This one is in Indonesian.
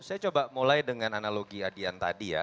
saya coba mulai dengan analogi adian tadi ya